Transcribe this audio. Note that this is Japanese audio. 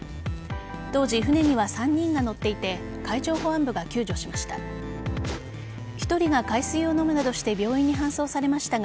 当時、船には３人が乗っていて海上保安部が救助しました。